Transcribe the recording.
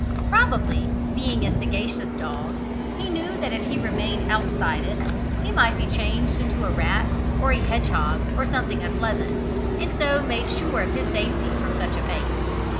Probably, being a sagacious dog, he knew that if he remained outside it, he might be changed into a rat or a hedgehog, or something unpleasant, and so made sure of his safety from such a fate.